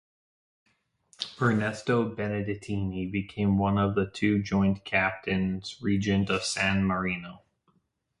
Ernesto Benedettini became one of the two Joint Captains Regent of San Marino.